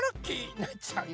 なっちゃうよ